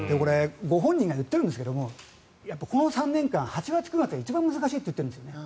ご本人が言ってるんですがこの３年間、８月、９月が一番難しいと言ってるんですね。